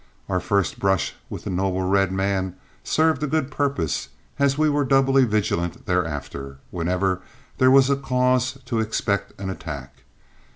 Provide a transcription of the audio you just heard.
Our first brush with the noble red man served a good purpose, as we were doubly vigilant thereafter whenever there was cause to expect an attack.